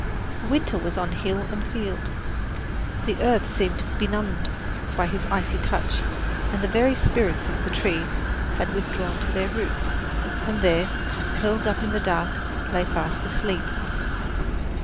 Winter was on hill and field. The earth seemed benumbed by his icy touch, and the very spirits of the trees had withdrawn to their roots, and there, curled up in the dark, lay fast asleep.